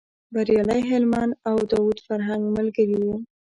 بریالی هلمند او داود فرهنګ ملګري و.